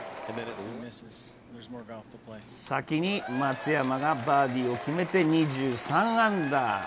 先に松山がバーディーを決めて２３アンダー。